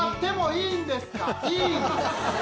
いいんです！